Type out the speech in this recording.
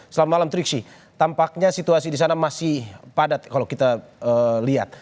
selamat malam triksi tampaknya situasi di sana masih padat kalau kita lihat